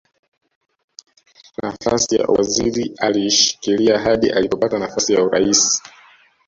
Nafasi ya uwaziri aliishikilia hadi alipopata nafasi ya urais